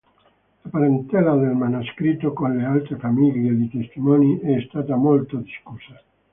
La parentela del manoscritto con le altre famiglie di testimoni è stata molto discussa.